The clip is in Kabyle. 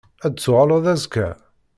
Ad d-tuɣaleḍ azekka?